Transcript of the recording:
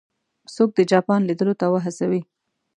څوک د جاپان لیدلو ته وهڅوي.